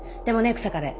日下部